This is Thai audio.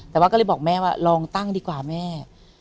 แต่ว่าก็เลยบอกแม่ว่าลองตั้งดีกว่าแม่